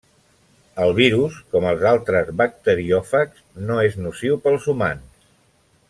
El virus, com els altres bacteriòfags, no és nociu pels humans.